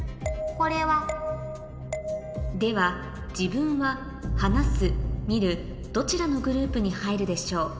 これは？では「自分」は「話す」「見る」どちらのグループに入るでしょう？